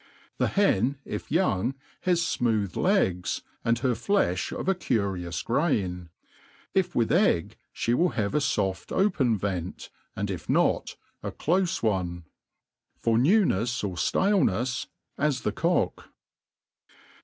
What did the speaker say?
The hen, if young, has fmooth legs, and her defti of a curious grain ;' if with egg, ftie will have a foft open vctit, jtnd if net, a dafe one. For newnefs or ftalenefs, as the cock.